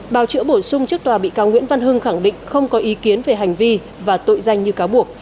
bào chữa bổ sung trước tòa bị cáo nguyễn văn hưng khẳng định không có ý kiến về hành vi và tội danh như cáo buộc